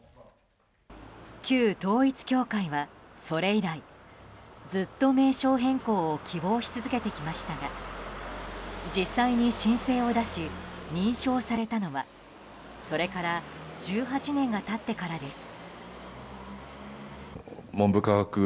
旧統一教会はそれ以来ずっと名称変更を希望し続けてきましたが実際に申請を出し認証されたのはそれから１８年が経ってからです。